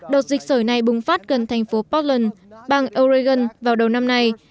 đợt dịch sởi này bùng phát gần thành phố portland bang oregon vào đầu năm nay